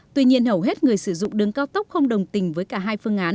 tuy nhiên hầu hết người sử dụng đường cao tốc không đồng tình với cả hai phương án